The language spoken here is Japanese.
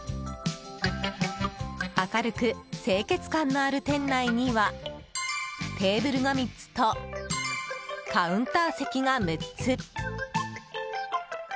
明るく清潔感のある店内にはテーブルが３つとカウンター席が６つ。